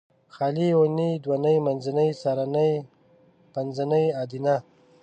خالي یونۍ دونۍ منځنۍ څارنۍ پنځنۍ ادینه